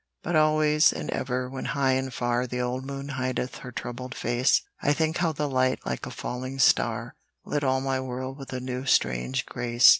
But always and ever when high and far The old moon hideth her troubled face, I think how the light like a falling star Lit all my world with a new strange grace.